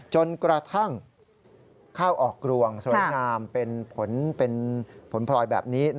จนกระทั่งข้าวออกรวงสวยงามเป็นผลเป็นผลพลอยแบบนี้